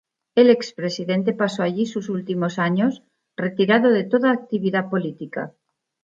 El expresidente pasó allí sus últimos años, retirado de toda actividad política.